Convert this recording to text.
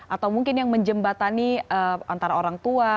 atau mungkin yang menjembatani antara orang tua